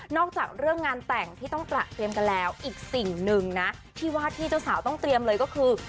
จากเรื่องงานแต่งที่ต้องตระเตรียมกันแล้วอีกสิ่งหนึ่งนะที่ว่าที่เจ้าสาวต้องเตรียมเลยก็คือ